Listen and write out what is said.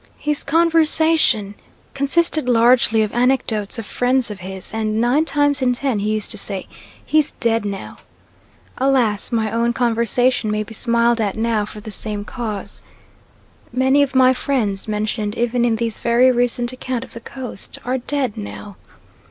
His conversation consisted largely of anecdotes of friends of his, and nine times in ten he used to say, "He's dead now." Alas! my own conversation may be smiled at now for the same cause. Many of my friends mentioned even in this very recent account of the Coast "are dead now."